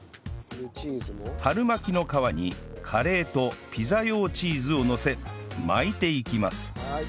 春巻きの皮にカレーとピザ用チーズをのせ巻いていきます